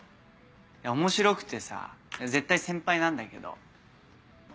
面白くてさぁ絶対先輩なんだけど。